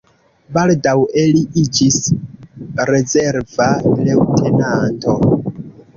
Baldaŭe li iĝis rezerva leŭtenanto.